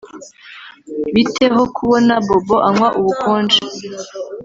Bite ho kubona Bobo anywa ubukonje